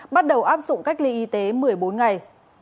bắt đầu áp dụng cách ly y tế một mươi bốn ngày